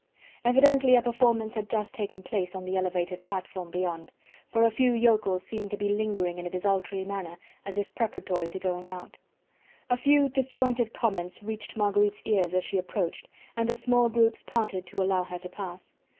Evidently a performance had just taken place on the elevated platform beyond, for a few yokels seemed to be lingering in a desultory manner as if preparatory to going out. A few disjointed comments reached Marguerite's ears as she approached, and the small groups parted to allow her to pass.